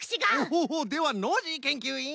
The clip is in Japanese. ほうほうではノージーけんきゅういん！